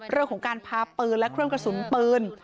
เรื่องของการพาปืนและเครื่องกระสุนปืน